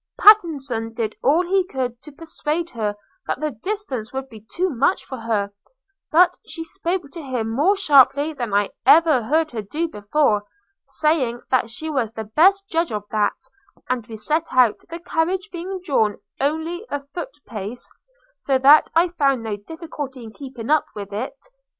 Pattenson did all he could to persuade her that the distance would be too much for her; but she spoke to him more sharply than ever I heard her do before – saying, that she was the best judge of that; and we set out, the carriage being drawn only a foot pace, so that I found no difficulty in keeping up with it.